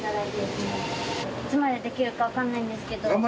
いつまでできるか分かんないんですけど。